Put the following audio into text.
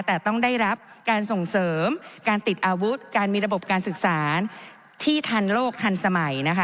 แต่ต้องได้รับการส่งเสริมการติดอาวุธการมีระบบการศึกษาที่ทันโลกทันสมัยนะคะ